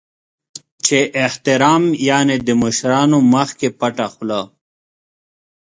چې احترام یعنې د مشرانو مخکې پټه خوله .